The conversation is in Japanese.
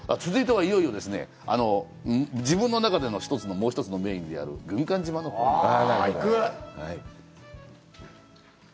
続いては、いよいよですね、自分の中でのもう１つのメインである軍艦島のほうに。